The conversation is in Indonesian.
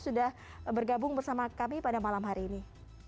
sudah bergabung bersama kami pada malam hari ini